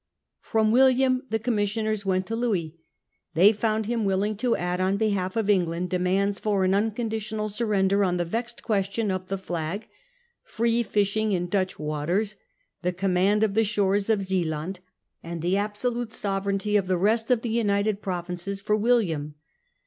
1 From William the commissioners went to Louis. They found him willing to add on behalf of England demands for an unconditional surrender on the vexed question of the dag, free fishing in Dutch waters, the command of the shores of Zealand, and the absolute sovereignty of the rest of the United Provinces for William.